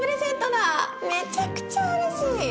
めちゃくちゃうれしい。